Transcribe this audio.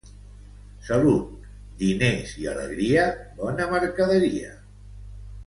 Salut, diners i alegria, bona mercaderia.